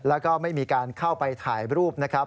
แล้วก็ไม่มีการเข้าไปถ่ายรูปนะครับ